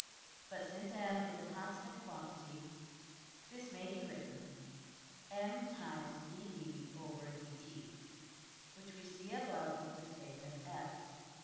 But, since $m$ is a constant quantity, this may be written $m \dfrac{dv}{dt}$, which we see above is the same as~$f$.